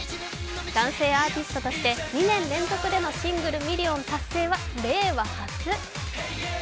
男性アーティストとして２年連続でのシングルミリオン達成は令和初。